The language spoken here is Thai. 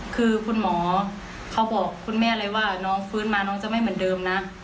คือคุณหมอเขาบอกคุณแม่เลยว่าน้องฟื้นมาน้องจะไม่เหมือนเดิมนะ